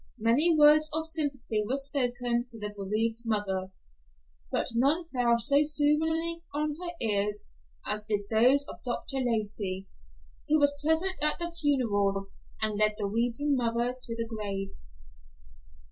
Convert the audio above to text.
Many words of sympathy were spoken to the bereaved mother, but none fell so soothingly on her ear as did those of Dr. Lacey, who was present at the funeral, and led the weeping mother to the grave.